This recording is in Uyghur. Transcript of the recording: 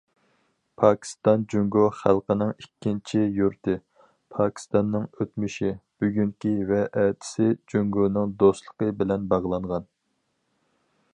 پاكىستان جۇڭگو خەلقىنىڭ ئىككىنچى يۇرتى، پاكىستاننىڭ ئۆتمۈشى، بۈگۈنى ۋە ئەتىسى جۇڭگونىڭ دوستلۇقى بىلەن باغلانغان.